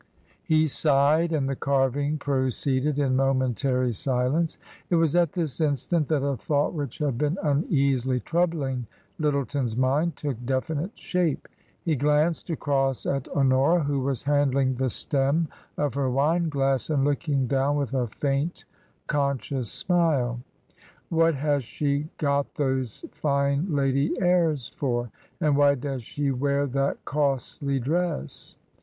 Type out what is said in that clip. He sighed, and the carving proceeded in momentary silence. It was at this instant that a thought which had been uneasily troubling Lyttleton's mind took definite shape. He glanced across at Honora, who was handling the stem of her wine glass and looking down with a faint, conscious smile. " What has she got those fine lady airs for ? and why does she wear that costly dress